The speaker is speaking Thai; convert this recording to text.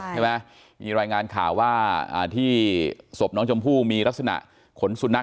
ใช่ไหมมีรายงานข่าวว่าที่ศพน้องชมพู่มีลักษณะขนสุนัข